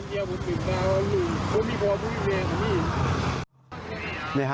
พี่มีฟอพูดพูดเบน